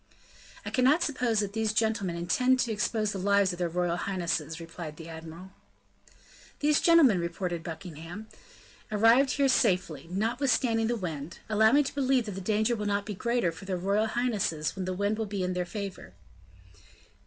"I cannot suppose that these gentlemen intend to expose the lives of their royal highnesses," replied the admiral. "These gentlemen," retorted Buckingham, "arrived here safely, notwithstanding the wind; allow me to believe that the danger will not be greater for their royal highnesses when the wind will be in their favor."